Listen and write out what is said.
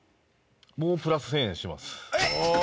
もうプラス１０００円します。えっ！